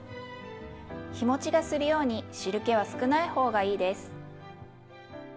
日もちがするように汁けは少ない方がいいです。